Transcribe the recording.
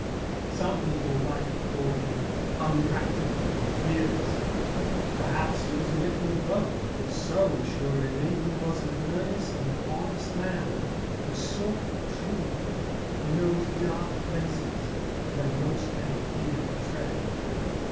Some people might have called him unpractical and theorist. Perhaps he was a THE BLUE STAR 31 little of both, but so assuredly he was an earnest and an honest man, who sought for truth in those dark places where most men fear to tread.